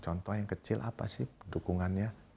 contoh yang kecil apa sih dukungannya